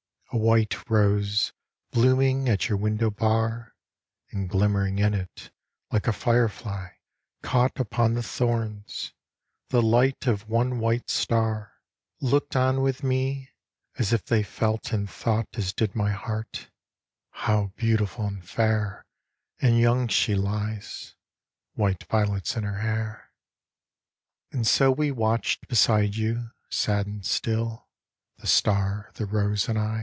A white rose, blooming at your window bar, And glimmering in it, like a fire fly caught Upon the thorns, the light of one white star, Looked on with me; as if they felt and thought As did my heart, "How beautiful and fair And young she lies, white violets in her hair!" And so we watched beside you, sad and still, The star, the rose, and I.